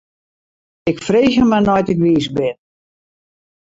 Ik freegje mar nei't ik wiis bin.